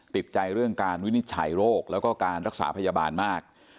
ติดใจเรื่องการวินิจฉัยโรคแล้วก็การรักษาพยาบาลมาก